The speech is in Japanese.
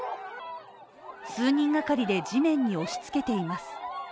数人がかりで地面に押し付けています